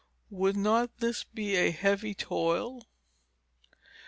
Would not this be a heavy toil?